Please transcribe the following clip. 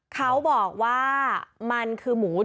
เขาบอกว่ามันคือหมู